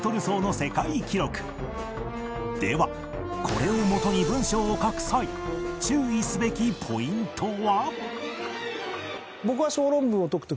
これを基に文章を書く際注意すべきポイントは？